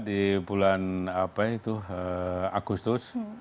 di bulan agustus